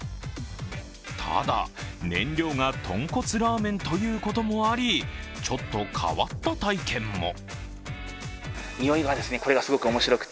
ただ、燃料が豚骨ラーメンということもあり、ちょっと変わった体験も。